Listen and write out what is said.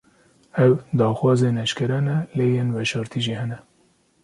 Ev, daxwazên eşkere ne; lê yên veşartî jî hene